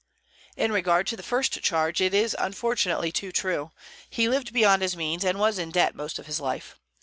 In regard to the first charge, it is unfortunately too true; he lived beyond his means, and was in debt most of his life.